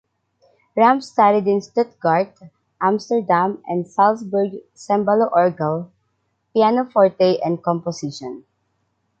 Rampe studied in Stuttgart, Amsterdam and Salzburg Cembalo Orgel, pianoforte and composition.